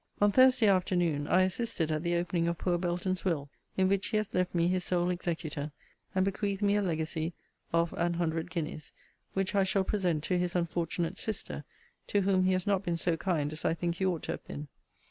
On Thursday afternoon I assisted at the opening of poor Belton's will, in which he has left me his sole executor, and bequeathed me a legacy of an hundred guineas; which I shall present to his unfortunate sister, to whom he has not been so kind as I think he ought to have been.